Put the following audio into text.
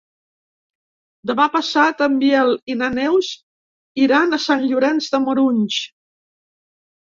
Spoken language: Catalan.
Demà passat en Biel i na Neus iran a Sant Llorenç de Morunys.